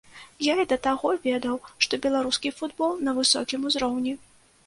Я і да таго ведаў, што беларускі футбол на высокім узроўні.